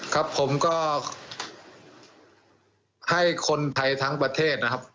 ครับผมก็ให้คนไทยทั้งประเทศนะครับ